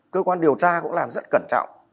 cơ quan điều tra cũng làm rất cẩn trọng